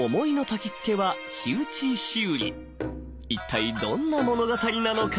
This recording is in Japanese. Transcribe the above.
一体どんな物語なのか。